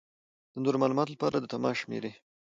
د نورو معلومات لپاره د تماس شمېرې: